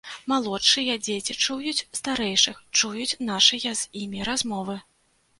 Малодшыя дзеці чуюць старэйшых, чуюць нашыя з імі размовы.